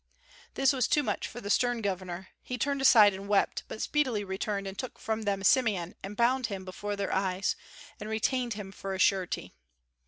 This was too much for the stern governor; he turned aside and wept, but speedily returned and took from them Simeon and bound him before their eyes, and retained him for a surety.